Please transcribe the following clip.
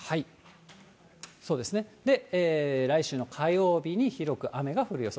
そうですね、来週の火曜日に広く雨が降る予想。